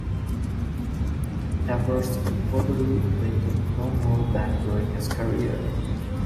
Evers reportedly weighed no more than during his career.